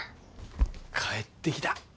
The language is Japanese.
帰ってきた。